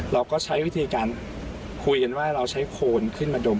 เราก็ใช้วิธีการคุยกันว่าเราใช้โคนขึ้นมาดม